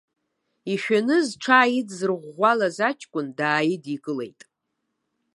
Ишәаны зҽааидзырӷәӷәалаз аҷкәын дааидикылеит.